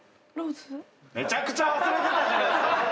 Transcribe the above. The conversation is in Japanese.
めちゃくちゃ忘れてたんじゃないっすか。